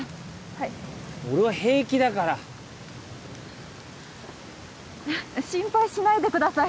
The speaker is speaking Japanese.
はい俺は平気だから心配しないでください